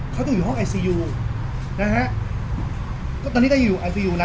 เขาต้องอยู่ห้องไอซียูนะฮะก็ตอนนี้ก็อยู่ไอซียูนะ